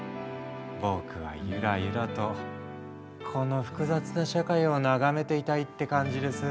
僕はゆらゆらとこの複雑な社会を眺めていたいって感じです。